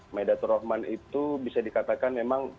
maidatur rahman itu bisa dikatakan memang